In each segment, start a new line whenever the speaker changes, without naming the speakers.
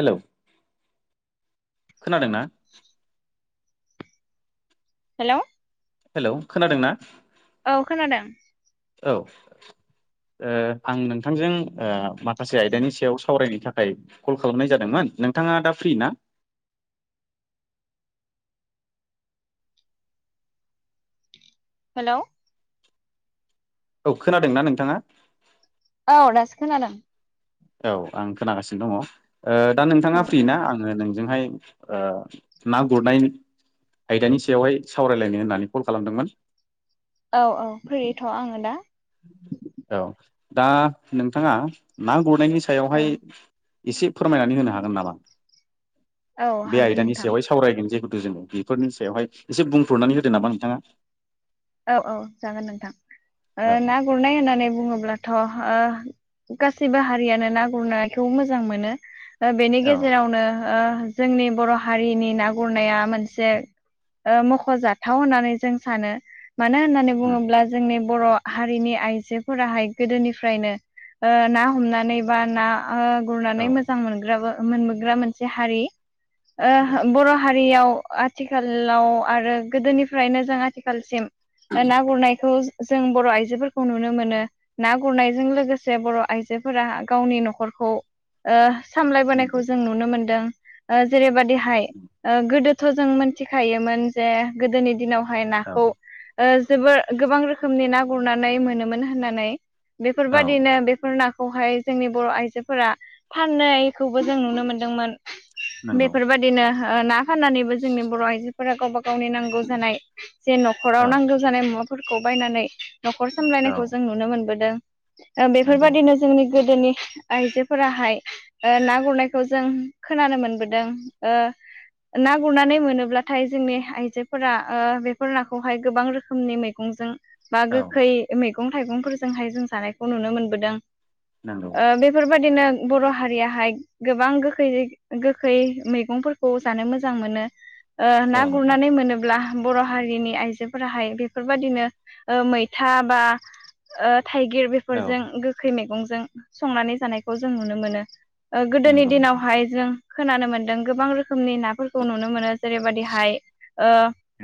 Hello खोनादों ना?
Hello
hello खोनादों ना
औ खोनादों
औ ओ आं नोंथांजों ओ माखासे आयदानि सायाव सावरायनो थाखाय कल खालामनाय जादोंमोन नोंथाङा दा फ्रि ना
हेलौ
औ खोनादोंना नोंथाङा
औ दासो खोनादों
औ आं खोनागासिनो दङ ओ दा नोंथाङा
औ
फ्रि ना आङो नों जोंहाय ओ ना गुरनाय आयदानि सायावहाय सावरायलायनो होननानै कल खालामदोंमोन
औ-औ फ्रिथ' आङो दा
औ दा नोंथाङा ना गुरनायनि
औ
सायावहाय एसे फोरमायनानै होनो हागोन नामा
औ
बे
हागोन
आयदानि
नोंथां
सायावहाय सावरायगोन जेखु नु जोंङो बेफोरनि सायावहाय एसे बुंफुरनानै होदो नामा नोंथाङा
औ-औ जागोन नोंथां ओ ना
औ
गुरनाय होननानै बुङोब्लाथ' ओ गासिबो हारियानो ना गुरनायखौ मोजां मोनो बेनि
औ
गेजेरावनो ओ जोंनि बर' हारिनि ना गुरनाया मोनसे ओ मख'जाथाव होननानै जों सानो मानो होननानै
उम
बुङोब्ला जोंनि बर' हारिनि आइजोफोराहाय गोदोनिफ्रायनो ओ ना हमनानै बा ना ओ गुरनानै
औ
मोजां मोनग्राबो मोनबोग्रा मोनसे हारि
नंगौ
ओ बर' हारियाव आथिखालाव आरो गोदोनिफ्रायनो जों आथिखालसिम ना गुरनायखौ जों बर' आइजोफोरखौ नुनो मोनो ना गुरनायजों लोगोसे बर' आइजोफोरा गावनि न'खरखौ ओ सामलायबोनायखौ
नंगौ
जों नुनो मोनदों जेरैबादिहाय गोदो थ' जों मिथिखायोमोन जे गोदोनि दिनावहाय
औ
नाखौ ओ जोबोर गोबां रोखोमनि ना गुरनानै मोनोमोन होननानै
औ
बेफोरबायदिनो बेफोर ना खौहाय जोंनि बर' आइजोफोरा फाननायखौबो जों नुनो मोनदोंमोन
नंगौ
बेफोरबादिनो ना फाननानैबो जोंनि बर' आइजोफोरा गावबा गावनि नांगौ जानाय जे न'खराव
औ
नांगौ जानाय मुवाफोरखौ बायनानै न'खर
औ
सामलायनायखौ जों नुनो मोनबोदों ओ
नंगौ
बेफोरबादिनो जोंनि गोदोनि आइजोफोराहाय ओ ना गुरनायखौ जों खोनानो मोनबोदों ओ ना गुरनानै मोनोब्लाथाय जोंनि आइजोफोरा ओ बेफोर नाखौहाय गोबां रोखो मनि मैगंजों बा
औ
गोखै मैगं थाइगंफोरजोंहाय जों जानायखौ नुनो मोनबोदों
नंगौ
ओ बेफोर बायदिनो बर' हारियाहाय गोबां गोखै-गोखै मैगंफोरखौ जानो मोजां मो नो ओ ना
औ नंगौ
गुरनानै मोनोब्ला बर' हारिनि आइजोफोराहाय बेफोरबादिनो ओ मैथा बा ओ थाइगिर
औ
बेफोरजों गोखै मैगं जों संनानै जानायखौ जों नुनो मोनो गोदोनि ओ
नंगौ नोंथां
दिनावहाय जों खोनानो मोनदों गोबां रो खोमनि नाफोरखौ नुनो मोनो जेरैबादिहाय ओ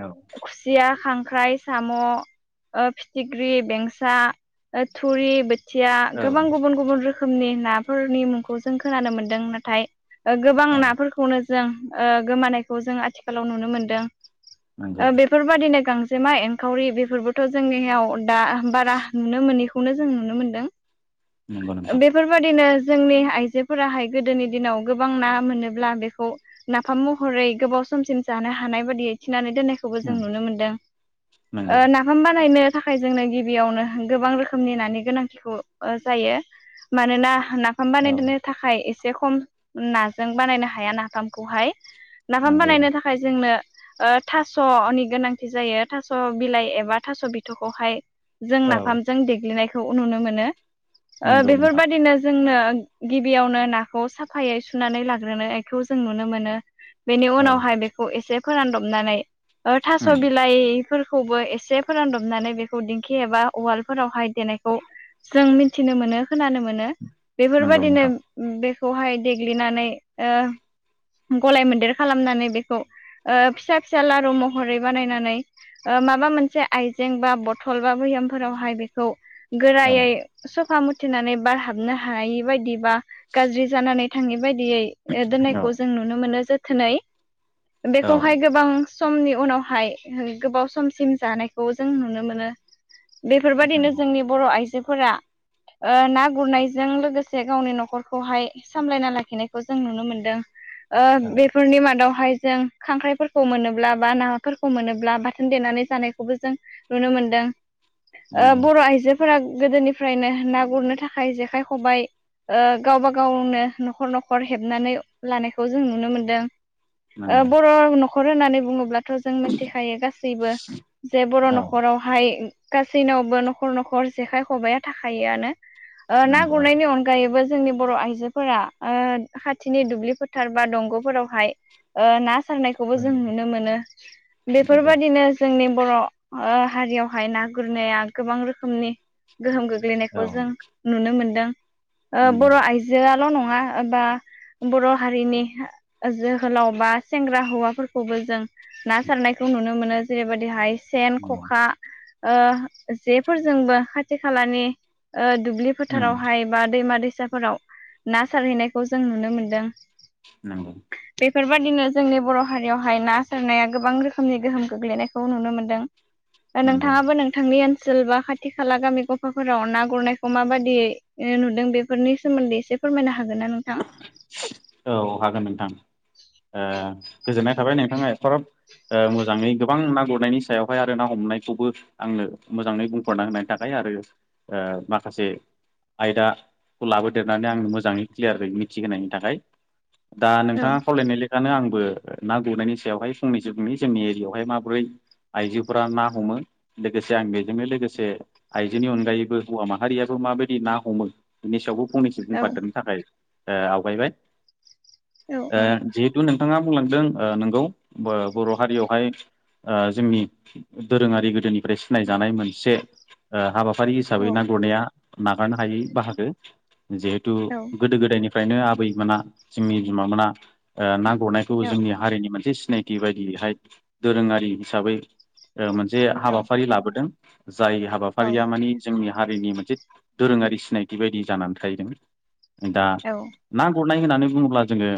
औ
खुसिया खांख्राइ साम' ओ फिथिख्रि बेंसा ओ थुरि बो थिया
औ
गोबां गुबुन गुबुन रोखोमनि नाफोरनि मुंखौ जों खोनानो मोनदों नाथाय ओ गोबां
औ
नाफोरखौनो जों ओ गोमानायखौ जों आथिखालाव नुनो मोनदों
नंगौ
ओ बेफोरबायदिनो गांजेमा एनखावरि बेफोरबोथ' जोंनियाव दा बारा नुनो मोनैखौनो जों नुनो
नंगौ
मोनदों
नोंथां
बेफोरबायदिनो जोंनि आइजोफोराहाय गोदोनि दिनाव गोबां ना मोनोब्ला बेखौ नाफाम महरै गोबाव समसिम जानो हानायबादियै थिनानै दोननायखौबो जों
उम
नुनो मोनदों
नंगौ
ओ नाफाम बा नायनो थाखाय जोंनो गिबियावनो गोबां रोखोमनि नानि गोनांथिखौ जायो मानोना नाफाम
औ
बानायनो थाखाय एसे खम नाजों बानायनो हाया नाफामखौहाय नाफाम
नंगौ
बानायनो थाखाय जोंनो थास'नि गोनांथि जायो था स' बिलाइ एबा थास' बिथ'खौहाय जों
औ
नाफामजों देग्लिनायखौ नुनो मोनो। ओ
नंगौ नोंथां
बेफोरबायदिनो जोंनो गिबियावनो नाखौ साफायै सुनानै लाग्रोनायखौ जों नुनो मोनो बेनि
औ
उनावहाय बेखौ एसे फोरानदबनानै थास'
उम
बिलाइ फोरखौबो एसे फोरानदबनानै बेखौ दिंखि एबा उवालफोरावहाय देनायखौ जों मि थिनो मोनो खोनानो मोनो
नंगौ
बेफोरबायदिनो
नोंथां
बे खौहाय देग्लिनानै गलाय मोनदेर खालामनानै बेखौ फिसा फिसा लारु महरै बानायनानै माबा मोनसे आइजें बा बथल बा बैहामफोरावहाय बेखौ
औ
गोरायै सफा मुथिनानै बारहाबनो हायै बायदिबा गाज्रि जानानै बिथांनि बायदियै
औ
दोननायखौ जों नुनो मोनो जोथोनै
औ
बेखौहाय गोबां समनि उनावहाय गोबाव समसिम जानायखौ जों नुनो मोनो। बेफोरबायादिनो
नंगौ
जोंनि बर'आइजोफोरा। ओ ना गुरनायजों लोगोसे गावनि न'खरखौहाय सामलायना लाखिनायखौ जों नुनो मोनदों। ओ
औ
बेफोरनि मादावहाय जों खांख्राइफोरखौ मोनोब्ला बा नाफोरखौ मोनोब्ला बा देनानै जानायखौबो जों नुनो मोनदों ओ
नंगौ
बर' आइजोफोरा। गोदोनिफ्रायनो ना गुरनो थाखाय जेखाइ खबाय गावबा गावनो न'खर न'खर हेबनानै लानायखौ जों नुनो मोनदों। ओ
नंगौ
बर' न'खर होननानै बुङोब्लाथ' जों मिथिखायो गासैबो। बो जे बर'
औ
न'खरावहाय गासैनावबो न'खर न'खर जेखाइ खबाइाया थाखायोआनो ना
नंगौ आरो
गुरनायनि अनगायैबो जोंनि बर' आइजोफोरा खाथिनि दुब्लि फोथार बा दंग'फोरावहाय ना सारनायखौबो
औ
जों नुनो मोनो
नंगौ
बेफोरबायदि जोंनि बर' हारियावहाय ना गुरनाया गोबां रोखोमनि गोहोम
औ
गोग्लैनायखौ जों नुनो मोनदों
नंगौ
बर' आइजोआल' नङा। नंआ बा बर' हारिनि जोहोलाव बा सेंग्रा हौवाफोरखौबो जों ना सारनायखौ नुनो मोनो जेरैबायदिहाय सेन,
नंगौ
ख'खा ओ जेफोरजोंबो खाथि खालानि दुब्लि
उम
फोथारावहाय बा दैमा-दैसा फिसाफोराव ना सारहैनायखौ जों नुनो मोनदों।
नंगौ।
बेफोरबायदिनो जोंनि बर' हारियावहाय ना सारनाया गोबां रोखोमनि गोहोम गोग्लैनायखौ नुनो मोनदों।
नंगौ
नोंथाङाबो नोंथांनि ओनसोल बा खाथि खाला गामि गफाफोराव ना गुरनायखौ माबायियै नुदों बेफोरनि सोमोन्दै एसे। फोरमायना हागोन नों
औ हागोन ओ नोंथां गोजोननाय थाबाय नोंथाङा एफाराब। ओ मोजाङै गोबां ना गुरनायनि सायावहाय आरो ना हमनायखौबो आंनो मोजाङै बुंफोर'ना होनाय थाखाय आरो ओ माखासे आयदाखौ लाबोदेरनानै आं मोजाङै क्लियारै मिथि थि होनोनायनि थाखाय दा
औ
नोंथाङा खावलायनाय लेखानो आं बो ना गुरनायनि सायावहाय फंनैसोनि जोंनि एरियायावहाय माबोरै आइजोफोरा ना हमो लोगोसे आं बेजोंनो लोगोसे आइजोनि अनगायैबो हौवा माहारियाबो माबायदि ना हमो बेनि सायावबो फंनैसो
औ
बुंफादेरनो थाखाय आवगायबाय
औ
जिहेथु नों नोंथांङा बुंलांदों नंगौ बर' हारियावहाय ओ जोंनि दोरोङारि गोदोनिफ्राय सिनायजानाय मोनसे हाबाफारि। हाबाफारि
औ
हिसाबै ना गुरनाया नागारनो हायै बाहागो जिहेथु
औ
गोदो गोदायनि फ्रायनो आबैमोना जोंनि बिमा मोना ओ ना गुरनायखौ
औ
जोंनि हारिनि मोनसे सि सिनायथि बायदियैहाय दोरोङारि हिसाबै ओ मोनसे हाबाफारि लाबोदों। जाय
औ
हाबाफारिया माने जोंनि हारिनि मोनसे दोरोङारि सिनायथि बायदि जानानै थायदों। दा।
औ
ना गुरनाय होननानै बुङोब्ला जोङो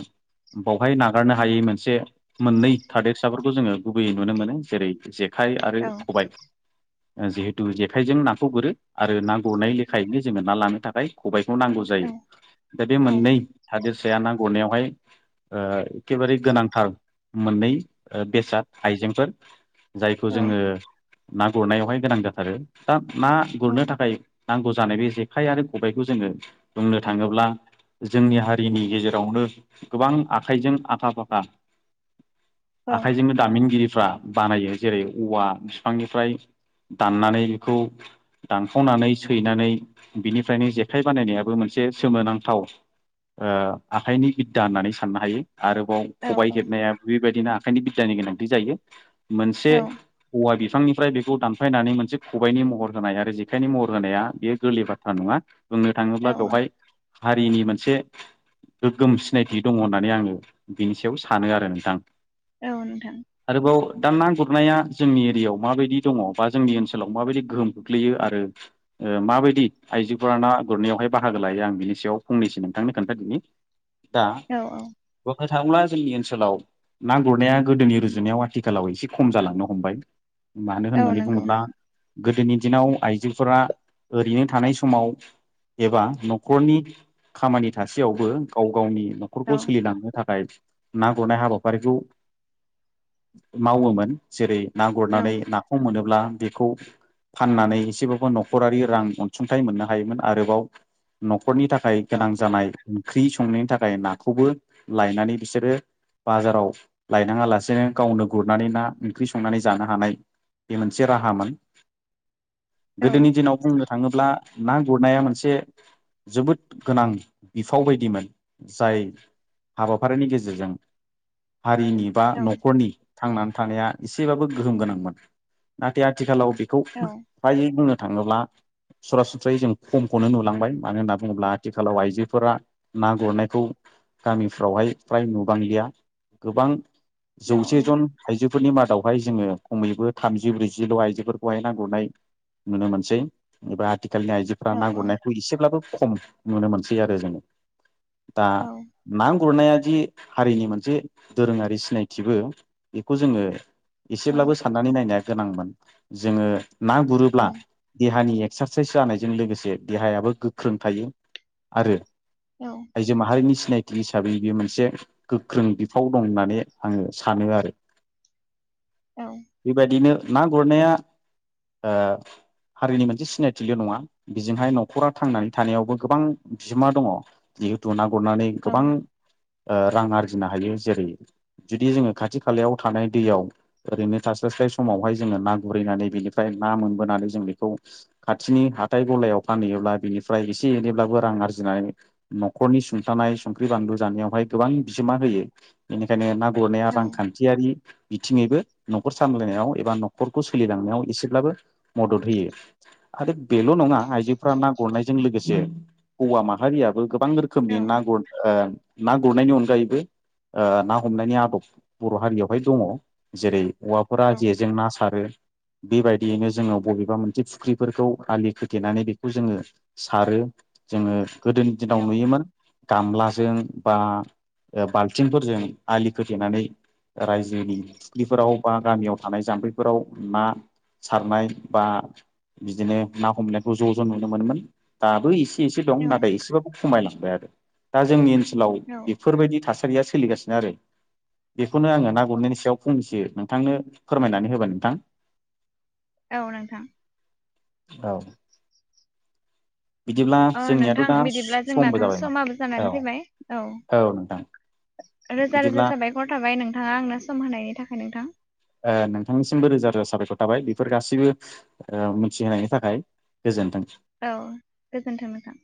बावहाय नागारनो हायै मोनसे मोननै थादेरसाफोरखौ जोङो गुबैयै नुनो मोनो जेरै जे खाइ आरो
औ
खबाय। जिहेथु जेखाइजों नाखौ गुरो आरो ना गुरनाय लेखायैनो जोङो ना लानो थाखाय खबाय खौ नांगौ
औ
जायो दा बे मोननै हादोरसाया ना गुरनायावहाय ओ एखेबारे गोनांथार मोननै ओ बेसाद आइजेंफोर जायखौ
औ
जोङो ना गुरनायावहाय गोनां जाथारो दा ना गुरनो थाखाय नांगौ जानाय बे जेखाइ आरो खबबायखौ जोङो बुंनो थाङोब्ला जोंनि हारिनि गेजेरावनो गोबां आखाइजों आखा-फाखा आखाइजोंनो दामिनगिरिफ्रा बानायो जेरै औवा बिफांनिफ्राय दाननानै बेखौ दानखावनानै सैनानै बिनिफ्रायनो जेखाइ बानायनायाबो मोनसे सोमोनांथाव ओ आखाइनि बिद्दा होननानै साननो हायो आरोबाव खबाय हेबनाया बेबाय दिनो आखाइनि बिद्दानि गोनांथि जायो मोनसे
औ
औवा बि फांनिफ्राय बेखौ दानफायनानै मोनसे खबाइनि महर होनाय आरो जेखायनि महर होनाया बेयो गोरलै बाथ्रा नङा। बुंनो
औ
थाङोब्ला बेवहाय हारिनि मोन से गोग्गोम सिनायथि दङ' होननानै आङो बिनि सायाव सानो नोंथां
औ नोंथां।
आरोबाव दा ना गुरनाया जोंनि एरियायाव माबायदि दङ' बा जोंनि ओनसोलाव माबायदि गोहोम खोख्लैयो आरो ओ माबायदि आइजोफोरा ना गुरनायावहाय बाहागो लायो आं बिनि सायाव फंनैसो थांनो खोन्थादोनि
औ औ।
होथाङोब्ला जोंनि ओनसोलाव ना गुरनाया गोदोनि रुजुनायाव आथिखालाव एसे खम जालांनो हमबाय। मानो
औ
होननानै
नंगौ
बुङोब्ला
नोंथां
गोदोनि दिनाव आइजोफोरा ओरैनो थानाय समाव एबा न'खरनि खामानि थासेयावबो गाव गावनि न'खरखौ
औ
सोलिलांनो थाखाय ना गुरनाय हाबाफारिखौ मावोमोन जेरै ना
औ
गुरनानै नाखौ मोनोब्ला बेखौ फाननानै एसेबाबो न'खरारि रां अनसुंथाइ मोननो हायोमोन आरोबाव न'खरनि थाखाय‌ गोनां जानाय ओंख्रि संनायनि थाखाय नाखौबो लायनानै बिसोरो बाजाराव लायनाङा लासेनो गावनो गुरनानै ना ओंख्रि संनानै जानो हानाय बे मोनसे राहामोन।
औ
गोदोनि दिनाव बुंनो थाङोब्ला ना गुरनाया मोनसे जोबोद गोनां बिफाव बायदिमोन जाय हाबाफारिनि गेजेरजों हारिनि बा
औ
न'खरनि थांनानै थानाया एसेबाबो गोहोम गोनांमोन। नाथाय आथिखालाव बेखौ
औ
हाय बुंङो थाङोब्ला सरासनस्रायै जों खमखौनो नुलांबाय मानो होनना बुङोब्ला थिखालाव आइजोफोरा ना गुरनायखौ गामिफ्रावहाय फ्राय नुबांलिया गोबां
औ
जौसे जन आइजो फोरनि मादावहाय जोङो खमैबो थामजि ब्रैजिल' आइजोफोरखौहाय ना गुरनाय नुनो मोनसै एबा आथि खालनि आइजोफोरा ना गुरनायखौ एसेब्लाबो खम नुनो मोनसै आरो जोङो दा ना गुरनाया दि हारिनि मोनसे दोरोङारि सिनायथिबो बेखौ जोङो एसेब्लाबो साननानै नायनाया गोनांमोन जोङो ना गुरोब्ला देहानि एक्सारसाइस जानायजों लोगोसे देहायाबो गोख्रों थायो आरो आइजो माहारिनि सिनायथि हिसाबै बेयो मोनसे गोख्रों बिफाव दं होननानै आङो सानो आरो। बेबायदिनो ना गुरनाया ओ हारिनि मोनसे सिनायथिल नङा बेजोंहाय नखरा थांनानै थानायावबो गोबां बिहोमा दङ जिहेथु ना गुरनानै गोबां ओ रां आरजिनो हायो जेरै जुदि जोङो खाथि खालायाव थानाय दैयाव ओरैनो थास्लास्लाय समावहाय जोङो ना गुरहैनानै बेनिफ्राय ना मोनबोनानै जों बेखौ खाथिनि हाथाय गलायाव फानहैयोब्ला बिनिफ्राय इस से एनैब्लाबो रां आरजिनाय नखरनि सुंथानाय संख्रि बानलु जानायावहाय गोबां बिहोमा होयो। बेनिखायनो ना गुरनाया रांखान्थियारि बिथिङैबो। नखर सामलायनायाव एबा नखरखौ सोलिलांनायाव एसेब्लाबो मदद होयो आरो बेल नङा आइजोफ्रा ना गुरनायजों लोगोस से हौवा माहारियाबो गोबां रोखोमनि ना गुर ना गुरनायनि अनगायैबो ओ ना हमनायनि आदब बर हारियावहाय दङ जेरै हौवाफोरा जेजों ना सारो। बेबायदियैनो जोङो बबेबा मोनसे फुख्रिफोरखौ आलि खोथेनानै बेखौ जोङो। सारो जोङो गोदोनि
औ
दिनाव नुयोमोन गामलाजों बा ओ बाल्थिंफोरजों आलि खोथेनानै रायजोनि फुख्लिफोराव बा गामियाव थानाय जाम्फैफोराव ना सारनाय बा बिदिनो ना हमनायखौ ज ज नुनो मोनोमोन। दाबो एसे एसे दं
औ
नाथाय एसेबाबो खमायलांबाय आरो दा जोंनि ओनसोल सोलाव
औ
बेफोर बायदि थासारिया सोलिगासिनो आरो। बेखौनो आङो ना गुरनायनि सायाव फंनैसो नोंथांनो फोरमायनानै होबाय नोंथां।
औ नोंथां।
औ।
अ नोंथां
दा
बिदिब्ला
समबो
जोंनाथ
जाबायमोन
समाबो
औ
जानानै फैबाय औ। रोजा रोजा
बिदिब्ला
साबायखर थाबाय नोंथाङा आंनो सम होनायनि थाखाय नोंथां।
ओ नोंथांनिसिमबो रोजा रोजा साबायखर थाबाय बेफोर गासैबो ओ मिथिहोनायनि थाखाय। गोजोन्थों।
औ गोजोन्थों नोंथां।